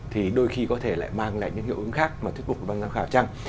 thì đôi khi có thể lại mang lại những hiệu ứng khác mà thuyết phục bằng giám khảo chăng